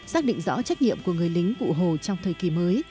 xác định rõ trách nhiệm của người lính cụ hồ trong thời kỳ mới